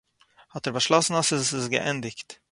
האט ער באשלאסן אז עס איז געענדיגט